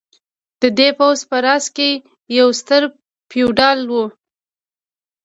د دې پوځ په راس کې یو ستر فیوډال و.